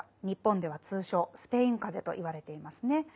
日本では通称スペインかぜといわれていますね。